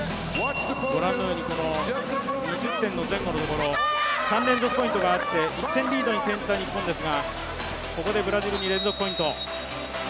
２０点の前後のところ、３連続ポイントがあって１点リードに転じた日本ですが、ここでブラジルに連続ポイント。